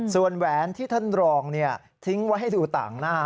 ส่วนแหวนที่ท่านรองทิ้งไว้ให้ดูต่างหน้า